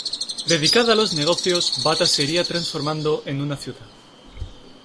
Dedicada a los negocios, Bata se iría transformando en una ciudad.